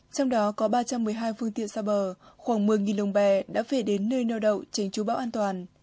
trong đó có ba trăm một mươi hai phương tiện xa bờ khoảng một mươi lồng bè đã về đến nơi neo đậu tránh chú bão an toàn